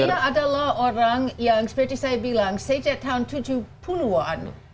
dia adalah orang yang seperti saya bilang sejak tahun tujuh puluh an